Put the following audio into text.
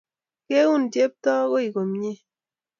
Keun Cheptoo koi komnye.